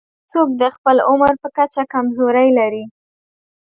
هر څوک د خپل عمر په کچه کمزورۍ لري.